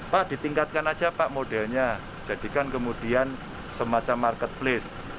pak ditingkatkan aja pak modelnya jadikan kemudian semacam marketplace